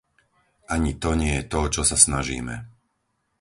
Ani to nie je to, o čo sa snažíme.